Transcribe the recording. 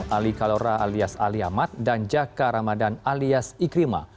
ali kalora alias ali ahmad dan jaka ramadan alias ikrimah